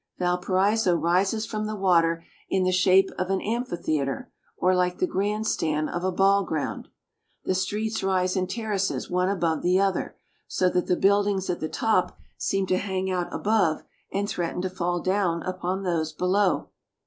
Valparaiso rises from the water in the shape of an amphitheater, or like the grand stand of a ball ground. The streets rise in terraces, one above the other, so that the buildings at the top seem to hang out above and threaten to fall down upon those below.